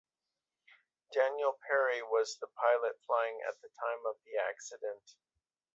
Daniel Perry was the pilot flying at the time of the accident.